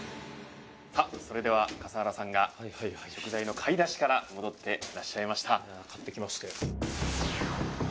さあそれでは笠原さんが食材の買い出しから戻っていらっしゃいました。